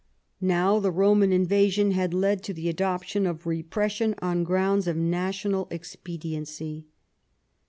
Now the Roman invasion had led to the adoption of repression on grounds of national expediency.